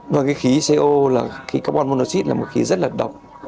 ngoài cái khí co là khí carbon monoxide là một khí rất là độc